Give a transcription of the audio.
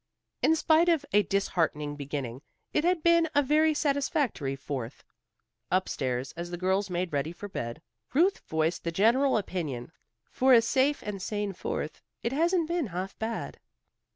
In spite of a disheartening beginning, it had been a very satisfactory Fourth. Up stairs, as the girls made ready for bed, Ruth voiced the general opinion. "For a safe and sane Fourth, it hasn't been half bad."